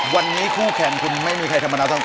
วันนี้คู่แข่งคุณไม่มีใครธรรมดาทั้งคน